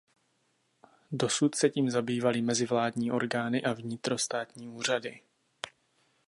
Dosud se tím zabývaly mezivládní orgány a vnitrostátní úřady.